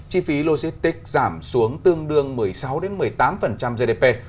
chi phí logistics giảm xuống tương đương một mươi sáu một mươi tám gdp